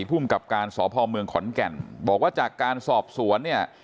ภูมิกับการสพเมืองขอนแก่นบอกว่าจากการสอบสวนเนี่ย